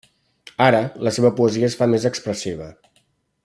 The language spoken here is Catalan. Ara, la seva poesia es fa més expressiva.